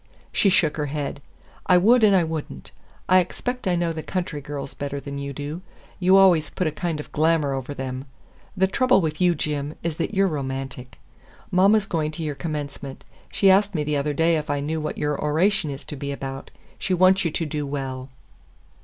She shook her head. "I would and I would n't. I expect I know the country girls better than you do. You always put a kind of glamour over them. The trouble with you, Jim, is that you're romantic. Mama's going to your Commencement. She asked me the other day if I knew what your oration is to be about. She wants you to do well."